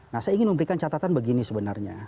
nah saya ingin memberikan catatan begini sebenarnya